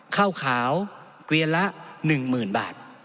ข้าวขาวเกวียนละ๑๐๐๐บาท